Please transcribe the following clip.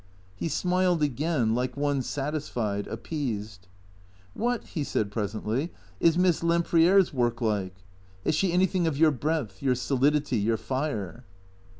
He smiled again, like one satisfied, appeased. " "WHiat," he said presently, " is Miss Lempriere's work like ? Has she anything of your breadth, your solidity, your fire